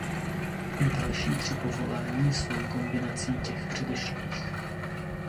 Další tři povolání jsou kombinací těch předešlých.